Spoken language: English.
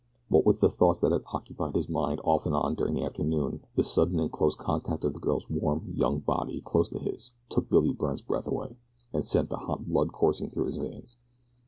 What with the thoughts that had occupied his mind off and on during the afternoon the sudden and close contact of the girl's warm young body close to his took Billy Byrne's breath away, and sent the hot blood coursing through his veins.